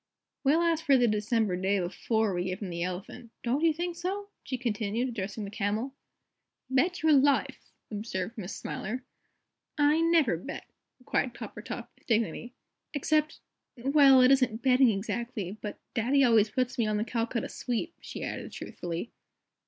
"We'll ask for the December day before we give him the Elephant, don't you think so?" she continued, addressing the Camel. "Bet your life!" observed Miss Smiler. "I never bet," replied Coppertop, with dignity. "Except well, it isn't betting exactly but Daddy always puts me on the Calcutta Sweep," she added, truthfully.